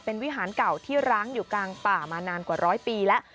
เป็นวิหารเก่าที่ร้างอยู่กลางป่ามานานกว่าร้อยปีแล้ว